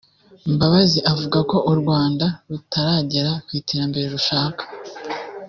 Mbabazi avuga ko u Rwanda rutaragera ku iterambere rushaka